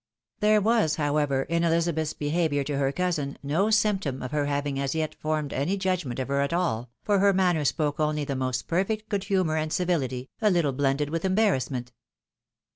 There was, however, in EUzabeth's behaviour to her cousin, no symptom of her having as yet formed any judgment of her at all, for her manner spoke only the most perfect good humour and civility, a little blended with embarrassment.